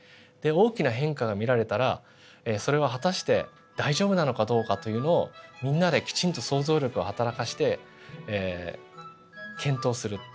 で大きな変化が見られたらそれは果たして大丈夫なのかどうかというのをみんなできちんと想像力をはたらかして検討する。